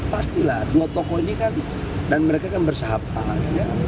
pastilah dua tokoh ini kan dan mereka kan bersahabat